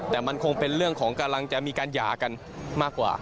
แต่มันคงเป็นเรื่องของกำลังจะมีการหย่ากันมากกว่า